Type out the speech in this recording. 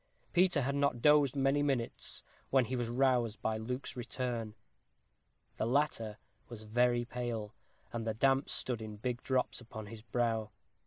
Peter had not dozed many minutes, when he was aroused by Luke's return. The latter was very pale, and the damp stood in big drops upon his brow.